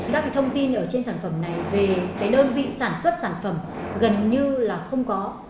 các cái thông tin ở trên sản phẩm này về cái đơn vị sản xuất sản phẩm gần như là không có